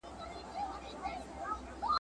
د لیندۍ په شانی غبرگی په گلونو دی پوښلی .